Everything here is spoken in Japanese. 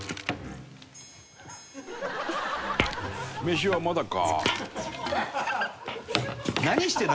飯はまだか？